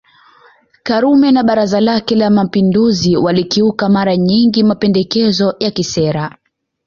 Karume na Baraza lake la Mapinduzi walikiuka mara nyingi mapendekezo ya kisera